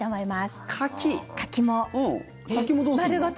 柿もどうするの？